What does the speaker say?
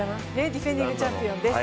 ディフェンディングチャンピオンです。